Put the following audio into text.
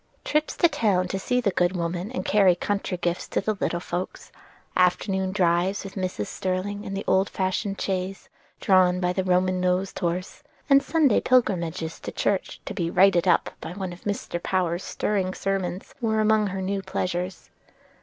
Trips to town to see the good woman and carry country gifts to the little folks; afternoon drives with Mrs. Sterling in the old fashioned chaise, drawn by the Roman nosed horse, and Sunday pilgrimages to church to be "righted up" by one of Mr. Power's stirring sermons, were among her new pleasures.